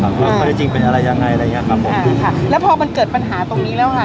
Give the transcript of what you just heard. ว่าความจริงจริงเป็นอะไรยังไงอะไรยังไงครับผมอ่าค่ะแล้วพอมันเกิดปัญหาตรงนี้แล้วค่ะ